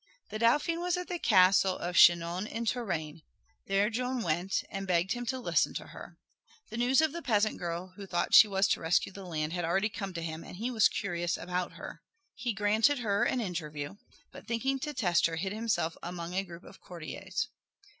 The Dauphin was at the castle of Chinon in Touraine. There Joan went, and begged him to listen to her. The news of the peasant girl who thought she was to rescue the land had already come to him and he was curious about her. He granted her an interview, but thinking to test her, hid himself among a group of courtiers.